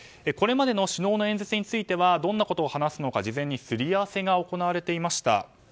これまでの首脳の演説についてはどんなことを話すのか事前にすり合わせが行われていました。